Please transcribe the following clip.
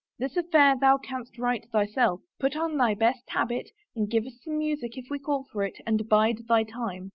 This affair thou canst right, thyself. Put on thy best habit and give us some music if we call for it and bide thy time.